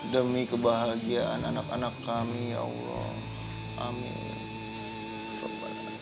demi kebahagiaan anak anak kami ya allah amin